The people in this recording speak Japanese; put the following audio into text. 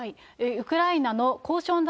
ウクライナの交渉